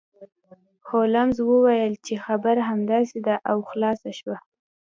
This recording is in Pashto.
هولمز وویل چې خبره همداسې ده او خلاصه شوه